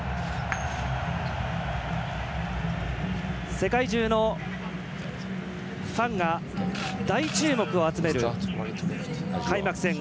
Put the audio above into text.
世界中のファンから大注目を集める開幕戦。